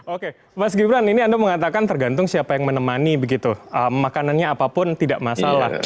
oke mas gibran ini anda mengatakan tergantung siapa yang menemani begitu makanannya apapun tidak masalah